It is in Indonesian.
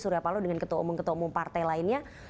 surya paloh dengan ketua umum ketua umum partai lainnya